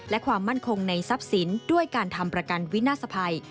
และความมั่นคงในทรัพย์สินด้วยการทำประกันวินาศภัย